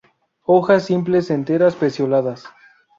Hojas simples, enteras; pecioladas.